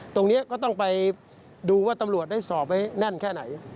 ตรงนี้ก็ต้องไปดูว่าตำรวจได้สอบไว้แน่นแค่ไหน